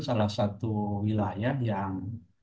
adalah satu wilayah yang